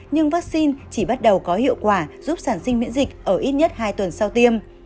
nhưng vaccine chỉ bắt đầu có hiệu quả giúp sản sinh miễn dịch ở ít nhất hai tuần sau tiêm